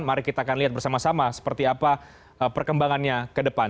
mari kita akan lihat bersama sama seperti apa perkembangannya ke depan